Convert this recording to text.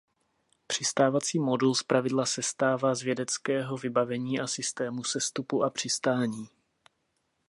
Přistávací modul zpravidla sestává z vědeckého vybavení a systému sestupu a přistání.